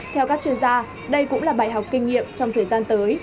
theo các chuyên gia đây cũng là bài học kinh nghiệm trong thời gian tới